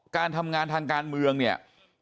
การทำงานทางการเมืองเนี่ย